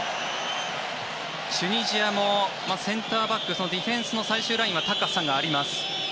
チュニジアも、センターバックディフェンスの最終ラインは高さがあります。